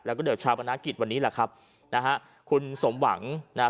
แล้วก็เดี๋ยวชาวประนักกิจวันนี้แหละครับนะฮะคุณสมหวังนะฮะ